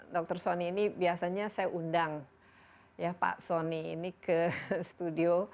dr sony ini biasanya saya undang ya pak soni ini ke studio